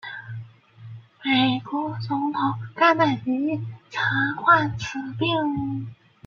美国总统甘乃迪亦曾患此病。